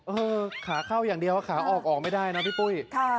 เออขาเข้าอย่างเดียวขาออกออกไม่ได้นะพี่ปุ้ย